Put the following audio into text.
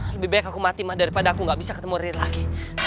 lebih baik aku mati mah daripada aku gak bisa ketemu rin lagi